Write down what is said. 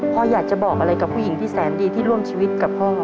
พ่ออยากจะบอกอะไรกับผู้หญิงที่แสนดีที่ร่วมชีวิตกับพ่อ